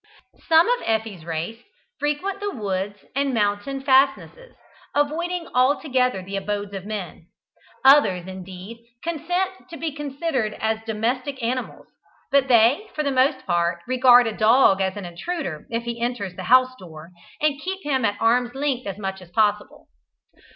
Some of Effie's race frequent the woods and mountain fastnesses, avoiding altogether the abodes of men; others, indeed, consent to be considered as "domestic" animals, but they, for the most part, regard a dog as an intruder if he enters the house door, and keep him at arm's length as much as possible.